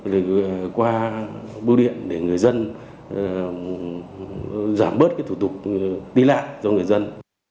để qua bưu điện để người dân giảm bớt cái thủ tục ti lạ do người dân